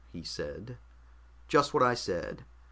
he said. "Just what I said.